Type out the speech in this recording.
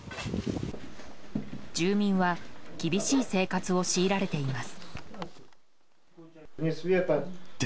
住民は厳しい生活を強いられています。